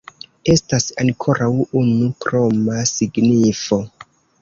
Estas ankoraŭ unu kroma signifo.